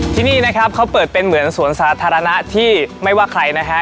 ที่นี่นะครับเขาเปิดเป็นเหมือนสวนสาธารณะที่ไม่ว่าใครนะฮะ